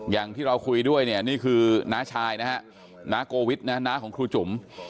อย่างที่เราคุยด้วยเนี่ยนี่คือน้าชายนะฮะน้าโกวิทนะฮะน้าของครูจุ๋ม